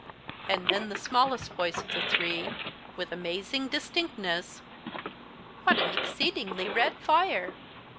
And then the smallest voice of the three with amazing distinctness: "What an exceedingly red fire."